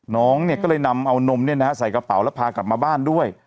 น้องเนี่ยก็เลยนำเอานมเนี่ยนะฮะใส่กระเป๋าแล้วพากลับมาบ้านด้วย